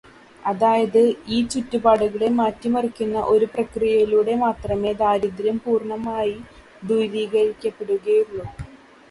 അതായത്, ഈ ചുറ്റുപാടുകളെ മാറ്റിമറിക്കുന്ന ഒരു പ്രക്രിയയിലൂടെ മാത്രമേ ദാരിദ്ര്യം പൂർണമായി ദൂരീകരിക്കപ്പെടുകയുള്ളൂ.